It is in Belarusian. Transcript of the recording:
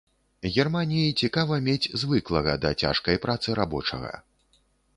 Германіі цікава мець звыклага да цяжкай працы рабочага.